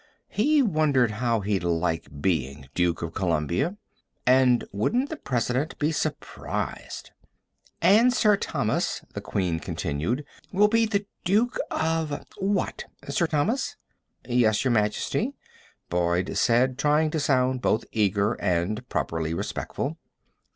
He wondered how he'd like being Duke of Columbia and wouldn't the President be surprised! "And Sir Thomas," the queen continued, "will be the Duke of ... what? Sir Thomas?" "Yes, Your Majesty?" Boyd said, trying to sound both eager and properly respectful.